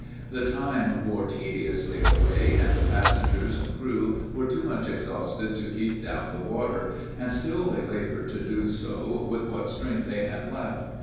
The time wore tediously away, and the passengers and crew were too much exhausted to keep down the water, and still they labored to do so with what strength they had left.